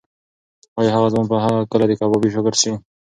ایا هغه ځوان به کله د کبابي شاګرد شي؟